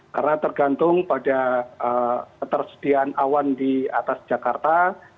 karena tergantung pada ketersediaan awan di atas jakarta